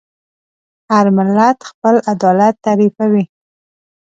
هر ملت خپل عدالت تعریفوي.